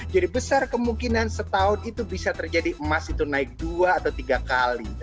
jadi besar kemungkinan setahun itu bisa terjadi emas itu naik dua atau tiga kali